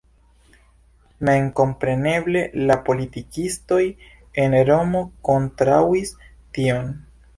Memkompreneble la politikistoj en Romo kontraŭis tion.